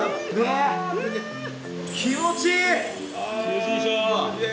ああ気持ちいい！